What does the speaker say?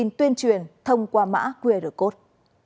công tin tuyên truyền thông qua mã qr code